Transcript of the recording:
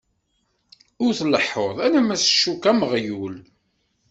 Ur tleḥḥuḍ alamma s ccuka am uɣyul.